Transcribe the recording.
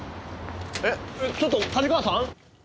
えっちょっと加治川さん！？